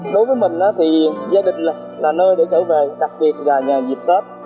đối với mình thì gia đình là nơi để trở về đặc biệt là nhà dịp tết